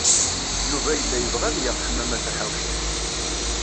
Yuba yella yebɣa ad yaɣ Ḥemmama Taḥawcint.